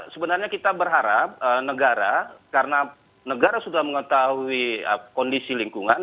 sebenarnya kita berharap negara karena negara sudah mengetahui kondisi lingkungan